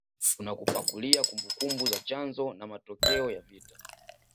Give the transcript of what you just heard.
Tunakupakulia kumbukumbu za chanzo na matokeo ya vita